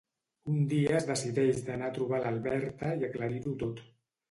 Un dia es decideix d'anar a trobar l'Alberta i aclarir-ho tot.